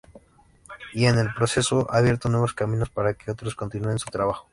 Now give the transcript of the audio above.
Y en el proceso ha abierto nuevos caminos para que otros continúen su trabajo.